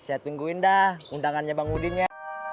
saya ditungguin undangannya bang udin ya